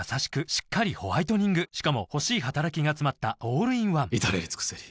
しっかりホワイトニングしかも欲しい働きがつまったオールインワン至れり尽せり